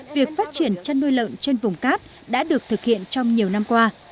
việc phát triển chăn nuôi lợn trên vùng cát đã được thực hiện trong nhiều năm qua